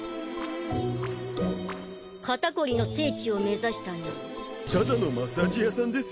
肩こりの聖地を目指したニャン。